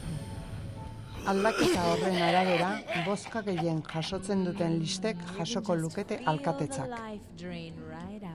Aldaketa horren arabera, bozka gehien jasotzen duten listek jasoko lukete alkatetzak.